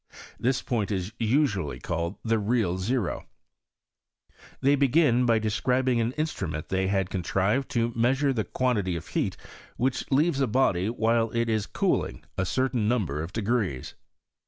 This point is usually called the real zero. PROGRESS OF CHEMISTRY IV FkANCE. 91 ihej begin by describing an instrument which they tad contrived to measure the quantity of heat which eaves a body while it is cooling a certain number ►f degrees.